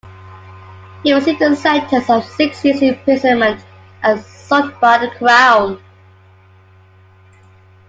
He received a sentence of six years imprisonment, as sought by the Crown.